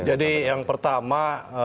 jadi yang pertama